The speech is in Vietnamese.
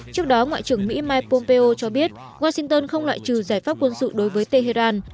trước đó ngoại trưởng mỹ mike pompeo cho biết washington không loại trừ giải pháp quân sự đối với tehran